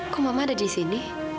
kau mama ada disini